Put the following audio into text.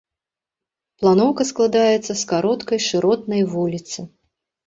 Планоўка складаецца з кароткай шыротнай вуліцы.